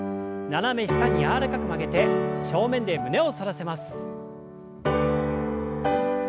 斜め下に柔らかく曲げて正面で胸を反らせます。